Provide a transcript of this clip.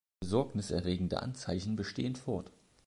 Besorgniserregende Anzeichen bestehen fort.